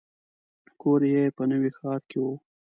کور یې په نوي ښار کې و.